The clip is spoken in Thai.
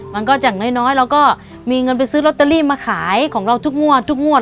อย่างน้อยเราก็มีเงินไปซื้อลอตเตอรี่มาขายของเราทุกงวดทุกงวด